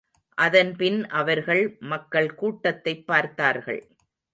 அதன்பின், அவர்கள் மக்கள் கூட்டத்தைப் பார்த்தார்கள்.